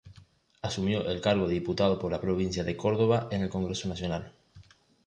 Asumió el cargo de diputado por la provincia de Córdoba en el Congreso Nacional.